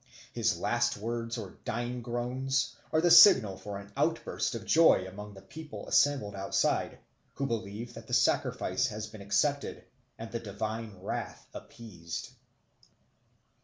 His last words or dying groans are the signal for an outburst of joy among the people assembled outside, who believe that the sacrifice has been accepted and the divine wrath appeased.